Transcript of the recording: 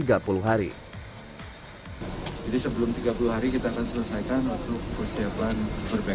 jadi sebelum tiga puluh hari kita akan selesaikan waktu persiapan super bag